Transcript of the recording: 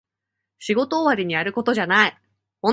仕事終わりにやることじゃない